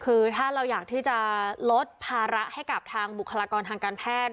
คือถ้าเราอยากที่จะลดภาระให้กับทางบุคลากรทางการแพทย์